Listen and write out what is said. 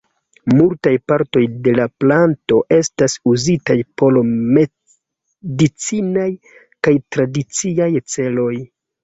Multaj partoj de la planto estas uzitaj por medicinaj kaj tradiciaj celoj.